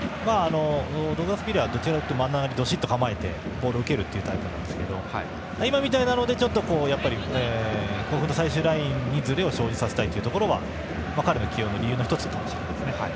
ドウグラス・ヴィエイラは真ん中にどしっと構えてボールを受けるタイプですが今みたいなプレーで、甲府の最終ラインにずれを生じさせたいというところは彼の起用の理由の１つかもしれないですね。